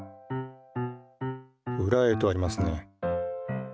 「ウラへ」とありますね。